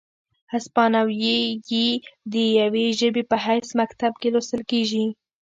هسپانیوي د یوې ژبې په حیث مکتب کې لوستل کیږي،